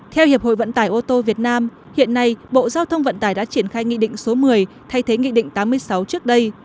theo hiệp hội vận tải ô tô việt nam hiện nay bộ giao thông vận tải đã triển khai nghị định số một mươi thay thế nghị định tám mươi sáu trước đây